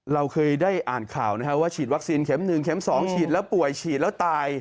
เราเคยได้อ่านข่าวนะครับว่าฉีดวัคซีนเข็ม๑เม็ม๒ฉีดแล้วป่วยฉีดแล้วตาย